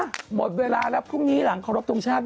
หมดเวลาแล้วพรุ่งนี้หลังขอรบทรงชาติ